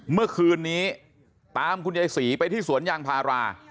เมื่อคืนนี้ตามคุณยายศรีไปที่สวนยางพารา